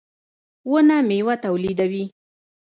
• ونه مېوه تولیدوي.